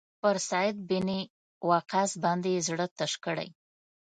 پر سعد بن وقاص باندې یې زړه تش کړی.